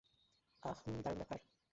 আহ, হুম, দারুণ ব্যাপার।